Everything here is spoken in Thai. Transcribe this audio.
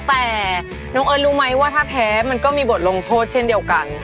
แต่น้องเอิ้นรู้ไหมว่าถ้าแพ้มันก็มีบทลงโทษเช่นเดียวกัน